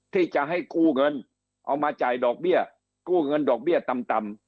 ที่จะให้กู้เงินเอามาจ่ายดอกเบี้ยกู้เงินดอกเบี้ยต่ำ